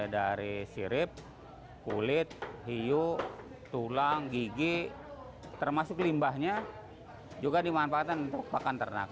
dari sirip kulit hiu tulang gigi termasuk limbahnya juga dimanfaatkan untuk pakan ternak